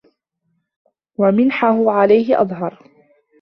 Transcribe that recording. وَمِنَحُهُ عَلَيْهِ أَظْهَرَ